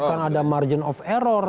bukan ada margin of error